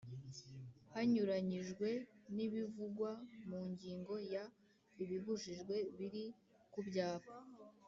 Hanyuranyijwe n ibivugwa mu ngingo ya ibibujijwe biri ku byapa